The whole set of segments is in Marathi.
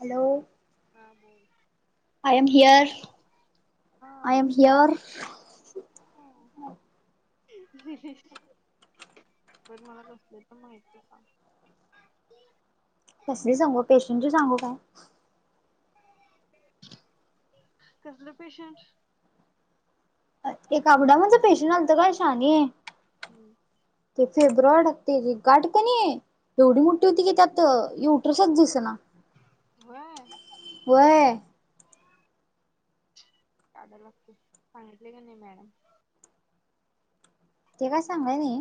हॅलो हा बोल. I am here. आय हा एम हियर. बर मला कसले तर माहित सांग. कसली सांगू. पेशंटची सांगू काय? कसल पेशंट. एक आमदाबादच पेशंट आलत काय शानी हम्म ते फेब्रॉडते गाठ क नाही एवढी मोठी होती की त्यात त युटर्सच दिसना. व्हय व्हय काढा लागतय. सांगितले का नाही मॅडम. ते काय सांगाय न‌ई.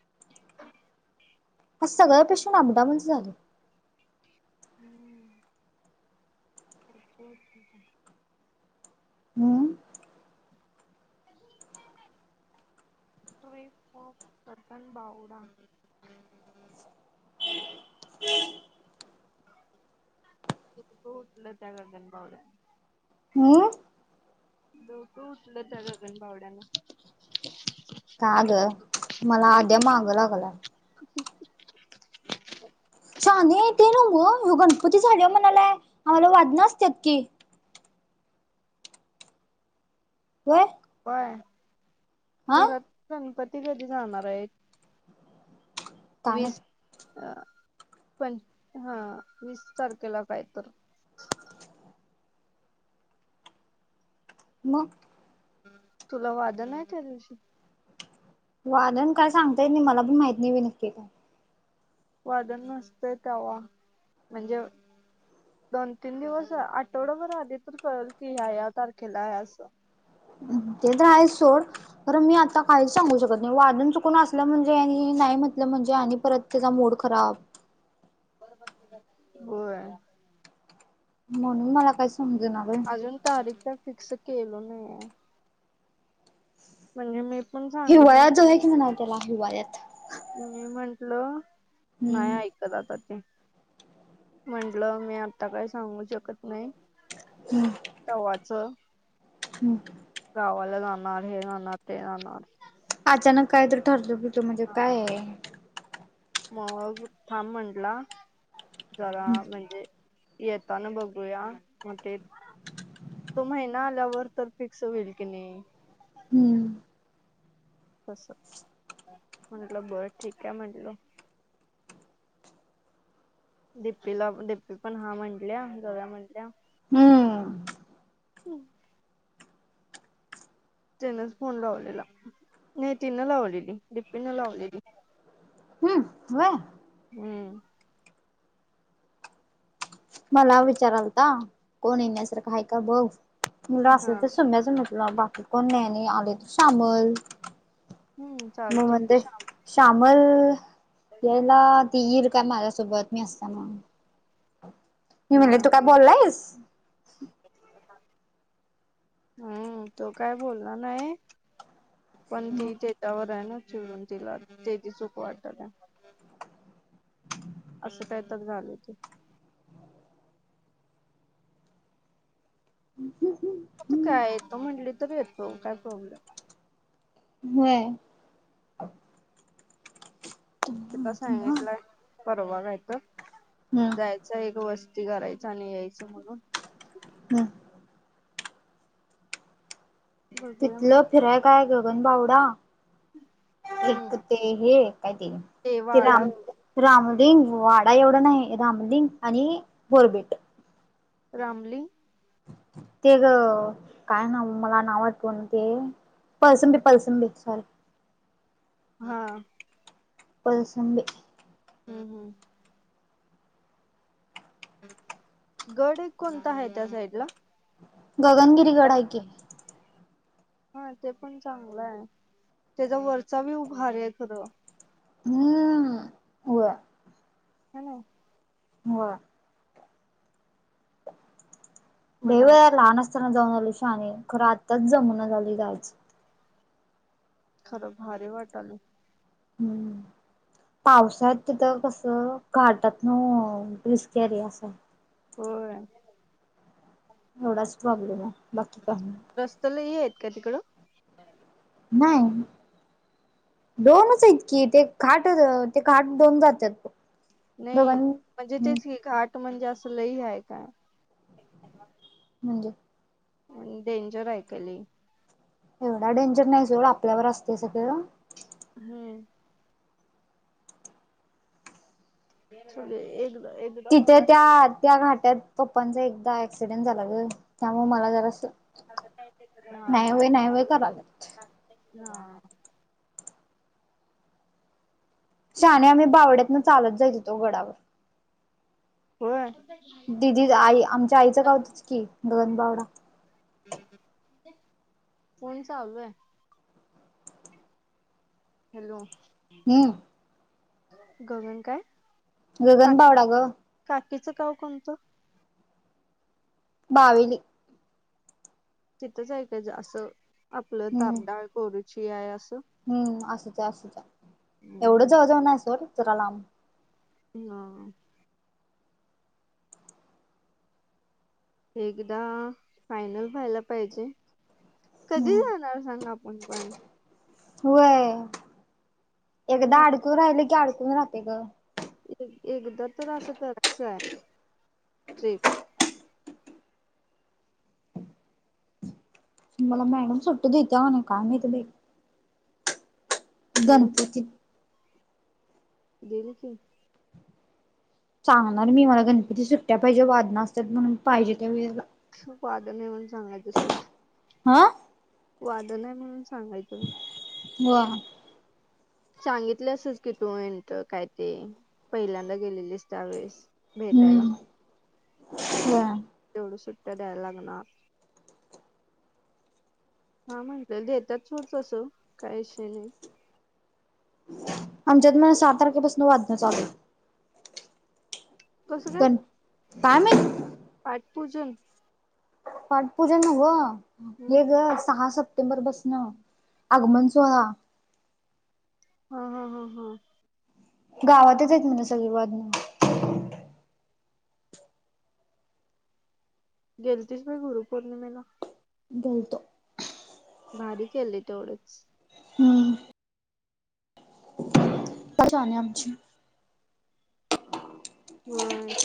[inaudible] आज सगळ्या पेशंट अप डाउनच झाले. हम्म [unintelligible] हम्म [inaudible] ट्रिप ऑफ गगनबावडा [inaudible] डोक उठल त्या गगनबावड्या हम्म डोक उठल त्या गगनबावड्याना. का ग. मला आध्या माग लागलाय. शाने ते नव. गणपती झाल्यावर म्हणालाय आम्हाला वादन असत्यात की. व्हय व्हय हा करत गणपती कधी जाणार आहेत. काय वीस माहित अ पंच हा वीस तारखेला काय तर मग तुला वाद नाही त्या दिवशी वादण काय सांगतायेत नाही. मला पण माहिती नाही म नक्की काय वादन नसतय त्यावा म्हणजे दोन तीन दिवस आठवडा बर आधी तर कळल की ह्या या तारखेला आहे असं! ते तर आहेच सोड तर मी आता काहीच सांगू शकत नाही वादन चुकून असलं म्हणजे आणि नाही म्हटलं म्हणजे आणि परत तुझा मूड खराब होय म्हणून मला काय समजना बाई अजून तारीख काय फिक्स केली नाही म्हणून मी पण सांगितलं नाही ग तिला हिवाळ्यात मी म्हंटल नाही ऐक हम्म तर आता ते म्हटलं मी आता काय सांगू शकत नाही. हम तव्हाचं थँक्यू. गावाला जाणार हे जाणार ते जाणार अचानक काय तर ठरलं तर हा मग थांब म्हंटला जरा म्हणजे येताना बघूया, मग ते तो महिना आल्यावर तर फिक्स होईल की नाही हम्म तस, म्हटलं बर ठीक आहे म्हटलं दिपीला दिपी पण हा म्हणल्या जावूया म्हणल्या हम्म हम् तिनच फोन लावलेला नाही तिनं लावलेली दिपीनं लावलेली होय हम्म मला विचारायला आलत्या कोण येण्यासारखं आहे का बघ मुलं असली हा तर सुम्या पण येतील बाकी कोण नाही आणि आले तर शामल हम्म मी चालते की म्हणते श्याम श्यामल यायला ती येईल का माझ्यासोबत मी असताना मी म्हणले तू काय बोलला आहेस हम् तो काय बोलला नाही पण ती त्याच्यावर आहे ना चिडून तेच्यावर तेची चूक वाटत काय असं काही तर झालं ते ह ह ह मग ती काय येतो म्हटली तरी येतो काय प्रॉब्लेम होय तिथं हम्म सांगितलाय परवा काय तर हम्म जायच एक वस्ती करायच आणि यायचं म्हणून हम् बघूया तिथलं म्हटलं फिराय काय गगनबावडा हम्म एक ते हे काय ते ते राम रामलिंग वाडा एवढा नाही रामलिंग आणि बोरबीट. रामलिंग ते ग काय नाव मला नाव वाठवना ते पळसंबी पळसंबी सॉरी. हा. पळसंबी. हम्म हम. गड एक कोणता आहे त्या साईड ला? गगनगिरी गड आहे की. हा ते पण चांगलं आहे, त्याचा वरचा व्युव भारी आहे खरं. हम. हॅलो! होय. देवे मनाला लहान असताना जाऊन आल शाने, खरं आत्ताच जमूना झाली जायच. खरं भारी वाट आलय. हम्म. पावसात तिथं कसं घाटात न रिस्की आहे रे असं. होय. एवढाच प्रॉब्लेम आहे बाकी का रस्त लही आहेत का तिकडं? नाही. दोनच हाईट की ते खाट तेखाट दोन जातात बघ. नाही दोघां म्हणजे तेच घाट म्हणजे अस लही आहे काय? म्हणजे? आणि डेंजर आहे काय ल‌ई. एवढा डेंजर नाही सोड आपल्यावर असते सगळं. हम्म. एकदा एक तिथं त्या त्या घाट्यात पप्पांचा एकदा एक्सीडेंट झाला ग त्यामुळे मला जरा करायल्यात. [unintelligible] शाने आम्ही बावड्यातन चालत जाइत होतो गडावर. होय. दिदी आई आमच्या आईचं गावचच की गगनबावडा. फोन चालू आहे. हॅलो! हम्म गगन काय? काकी गगनबावडा ग. काकीचं गाव कोणतं? बावीली. तिथंच आहे त्याच्या असं आपलं हम्म तारडाळ, गरुची आहे असं. हम्म असंच आहे असंच आहे एवढं हम्म, जावळजऊ ना सर जरा लांब. हां. एकदा फायनल व्हायला पाहिजे. कधी जाणार सांग आपण पण. होय एकदा मग अडकून राहिल की अडकून राहते ग. एकदा तर असं करायचं आहे श मला मॅडम सुट्टी दीत्या काय नाही का माहित. गेल गणपती देली की सांगणार मी मला गणपती सुट्ट्या पाहिजे वादना असतात म्हणून पाहिजे त्या वेळेला. वादन आहे म्हणून सांगायचं सरळ. हा वादन आहे म्हणून सांगायचं होय सांगितलं असस की तू म्हट काय ते पहिल्यांदा गेलेलीस त्यावेळेस. भेटायला हा [inaudible] तेवढं सुट्ट्या द्यायला लागणार हा म्हटलंय देतात सोडज्ञतसं काही विषय नाही आमच्यात म सात तारखेपासून वाजण्या चालू आहे. काय माहीत. पाठ पूजन. पाठपूजन हम्म. हे ग सहा सप्टेंबर पासन आगमन सोहळा. हा हा हा ह गावातच आहेत म्हण सगळी बजण. गेलतीस होय गुरुपौर्णिमेला? गेलतो. भारी केले तेवढंच. हम्म ज आहे आमची. होय.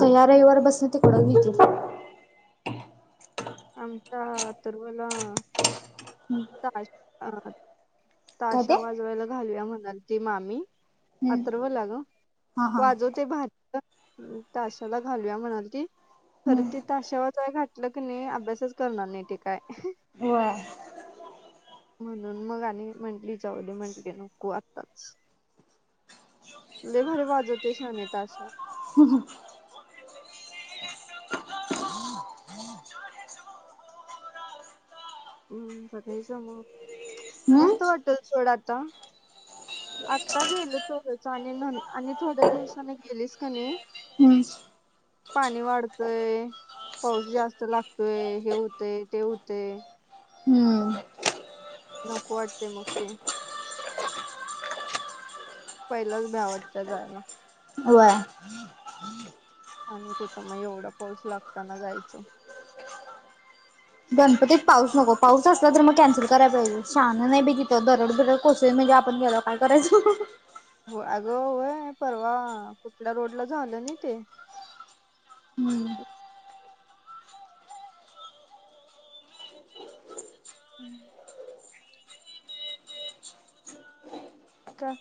ते ह्या रविवारी पासन तिकडं घेतील. आमच्या अथरवला. हम्म ताश ते ताशा वाजवायला घालूया म्हणाले. मामी हम्म अथर्व ला ग हा हा आजव ते भाज ताशाला घालूया म्हणालती की खर हम्म ते ताशावर य घाटलं की नाही अभ्यासच करणार नाही ठी काय. होय म्हणून मग आणि म्हंटलीत जाऊदे म्हंटलीत नको आताच. लय भारी वाजवतो शाने ताशा. ह हं मग हम्म मस्त वाटेल सोडा आता. आत्ता गेल तरच आणि न आणि थोड्या दिवसाने गेलीच क नाही. हम्म पाणी वाढतंय पाऊस जास्त लागतोय हे होतेय ते होतेय. हम्म नको वाटते मग. पहिलाच भ्या वाटत्या जायला. व आहे. [inaudible] आणि कुठं म एवढा पाऊस लागताना जायच. गणपतीत पाऊस नको पाऊस असला तर मग कॅन्सल करायला पाहिजे शान नाही बी तथं दरड दरड कोसल म्हणजे आपण गेलो काय करायचं. हो अगंय परवा कुठल्या रोड ला झालं नाही ते. हम्. [inaudible] का.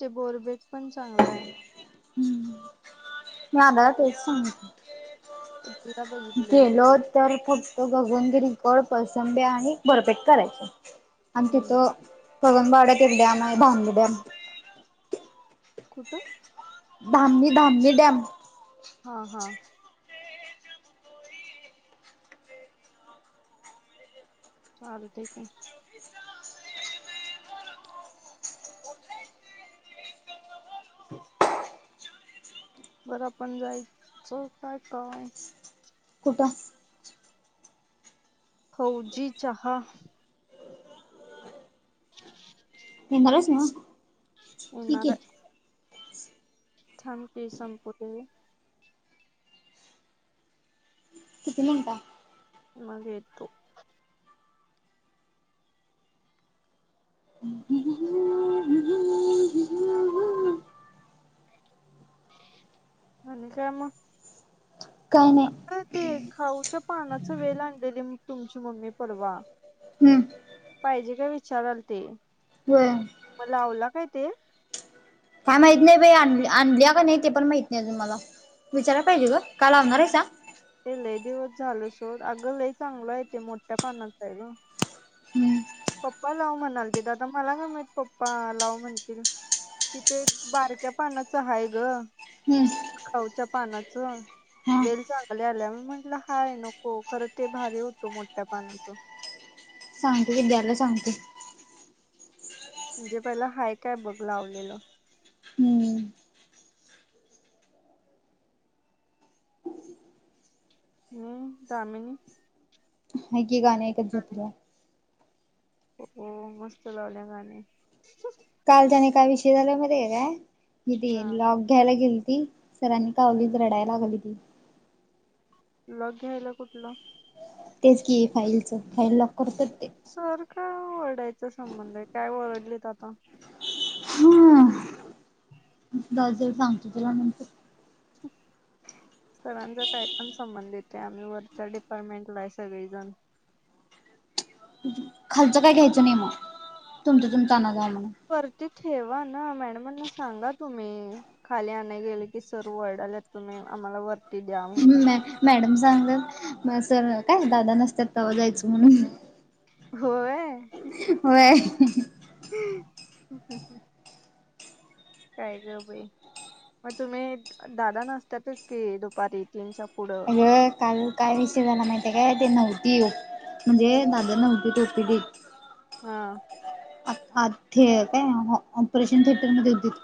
ते बोरबेट पण चांगलाय हाय. मी आल्यावर तेच सांगणार. तिला बघितले गेलो तिथे तर खूप तो गगनगिरीकड, पसंब्या आणि बरपेट करायच आणि हम्म तिथं गगनबावड्यात एक डॅम आहे धामणी डॅम. कुठं? धामनी धामनी डॅम. हा हा. चालतंय की. बरं पण जायचं काय? कुठ? फौजी चहा. [inaudible] येणार आहेस नव. येणार आय. थाम ते संपुदे. किती मिनिट आहे? मग येतो. ह ह. हम्म. आणि काय मग. काय नाही. ते खाऊच्या पानाच वेल आणलेली तुमची मम्मी परवा. हम्म पाहिजे काय? विचारालते होय मग लावला काय ते? काय माहीत नाही बाई आणली आणली का नाही ते पण माहीत नाही मला. विचारला पाहिजे ग का लावणार आहेसा? ते लय दिवस झालं सोड अग ले चांगलं आहे. मोठ्या पानाच आहे ग. हम्म.. पप्पा लाव म्हणालतीत ते आता मला काय माहित पप्पा लाव म्हणतील. तिथे एक बारक्या पानाचं हाय ग. हम्म खावूच्या पानाचं. हा वेल चांगले आल्या मी म्हटलं हाय नको खरं ते भारी होतो मोठ्या पानाचं. सांगते की द्यायला सांगतो. म्हणजे पहिला हाय काय बघ लावलेलं. हम्म हम्म. कामिनी. आहे की गाणी ऐकत जोपल्या. हम मस्त लावल्या गाणे. कालचाने काय विषे झालय मध्ये म्हायते काय हा दीन लॉक घ्यायला गेलीती सरांनी कावलीत रडायला लागली ती. लॉक घ्यायला कुठलं? तेच की, फाईलचं फाईल लॉक करत्यात ते सारक ओरडायचं संबंध आहे काय? वरडलेत आता हा. सांगतो तुला नंतर हम सरांचा काय पण संबंधित येतोय. आम्ही वरच्या डिपार्टमेंटला आहे सगळीजण खालचं काय घ्यायचं नाही मग, तुमच तुमच आना जाव्हा म्हण. वरती ठेवा ना मॅडमना सांगा तुम्ही खाली आणय गेले की सर वरडाल्यात तुम्ही आम्हाला वरती द्या म्हणून मॅ मॅडम सांगतात म सर काय दादा नसत्यात तव्हा जायचं म्हणून होय,, होय ह ह... काय ग बाई मग तुम्ही दादा नसतातच की दुपारी तीनच्या पुढं अगं, काल काय विषय झाला माहितीय काय ते नव्हती म्हणजे दादा नव्हतीत तोपीट हा आत्या काय ऑपरेशन थिएटरमध्ये होतीत काय?